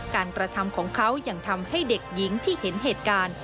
กระทำของเขายังทำให้เด็กหญิงที่เห็นเหตุการณ์